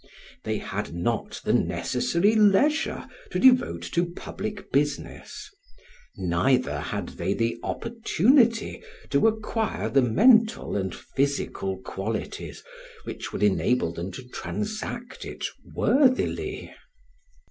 They had not the necessary leisure to devote to public business; neither had they the opportunity to acquire the mental and physical qualities which would enable them to transact it worthily.